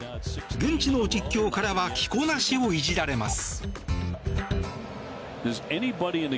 現地の実況からは着こなしをいじられます。